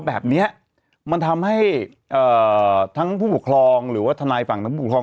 แบบนี้มันทำให้ทั้งผู้ปกครองหรือว่าทนายฝั่งทั้งผู้ปกครอง